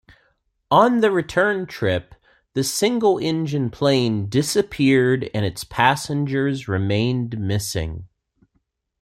On the return trip, the single-engine plane disappeared and its passengers remained missing.